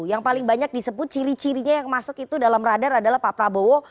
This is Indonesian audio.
yang paling banyak disebut ciri cirinya yang masuk itu dalam radar adalah pak prabowo